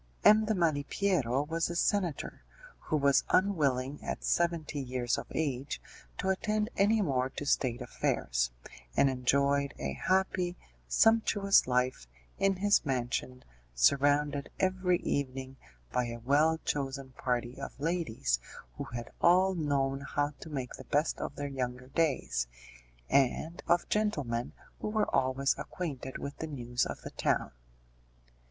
M. de Malipiero was a senator, who was unwilling at seventy years of age to attend any more to State affairs, and enjoyed a happy, sumptuous life in his mansion, surrounded every evening by a well chosen party of ladies who had all known how to make the best of their younger days, and of gentlemen who were always acquainted with the news of the town.